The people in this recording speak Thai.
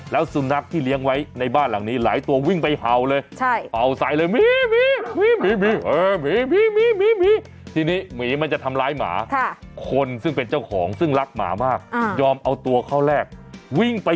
แล้วสุนัขที่เลี้ยงไว้ในบ้านหลังนี้หลายตัววิ่งไปเห่าเลย